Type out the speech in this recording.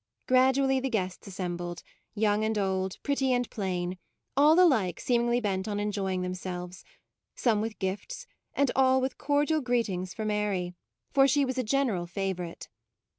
Gradually the guests assembled, young and old, pretty and plain; all alike seemingly bent on enjoying themselves ; some with gifts, and all with cordial greetings for Mary; for 22 MAUDE she was a general favourite.